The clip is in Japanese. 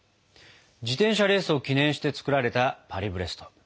自転車レースを記念して作られたパリブレスト。